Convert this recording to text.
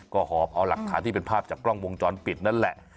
ก็หอบเอาหลักฐานที่เป็นภาพจากกล้องวงจรปิดนั่นแหละ